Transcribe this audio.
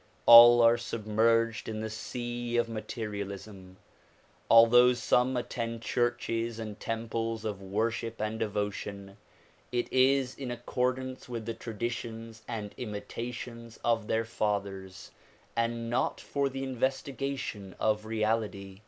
All are sub merged in the sea of materialism. Although some attend churches and temples of worship and devotion, it is in accordance with the traditions and imitations of their fathers and not for the investiga tion of reality.